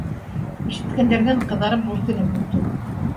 Ишеткәндәрҙән ҡыҙарып-бүртенеп бөттөк.